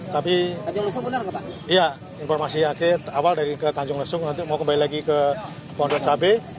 tapi informasi awal dari ke tanjung lesung nanti mau kembali lagi ke pondok cabai